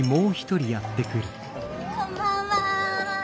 こんばんは。